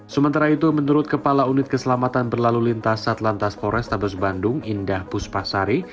sementara itu menurut kepala unit keselamatan berlalu lintas satlantas polrestabes bandung indah puspasari